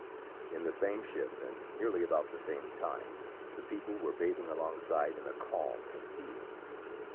In the same ship and nearly about the same time, the people were bathing along side in a calm at sea.